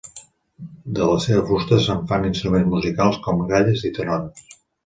De la seva fusta se'n fan instruments musicals com gralles i tenores.